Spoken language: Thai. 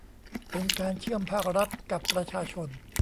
เป็นการเชื่อมภาครัฐกับประชาชน